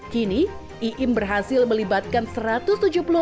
kini iim berhasil melibatkan warga